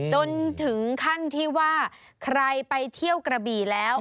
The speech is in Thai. จนถึงขั้นที่ว่าใครไปเที่ยวกระบี่แล้ว